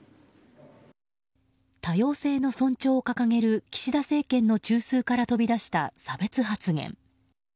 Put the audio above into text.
多様性の尊重を掲げる岸田政権の中枢から飛び出した、差別発言。